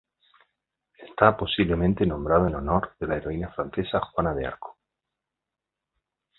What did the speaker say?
Está posiblemente nombrado en honor de la heroína francesa Juana de Arco.